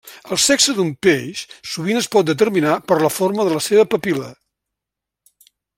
El sexe d'un peix sovint es pot determinar per la forma de la seva papil·la.